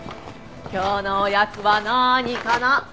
今日のおやつは何かな？